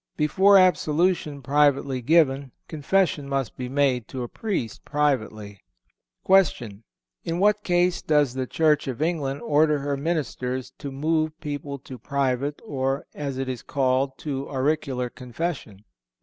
_ Before absolution privately given, confession must be made to a Priest privately. Q. In what case does the Church of England order her ministers to move people to private, or, as it is called, to auricular confession?